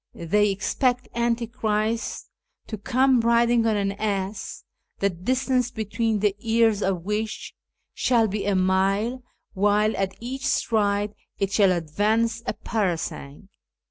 They expect Antichrist to come riding on an ass, the distance between the ears of which shall be a mile, while at each stride it shall advance a parasang.